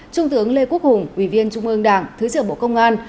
trung tướng lê quốc hùng ủy viên trung ương đảng thứ trưởng bộ công an